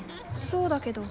そうだけど。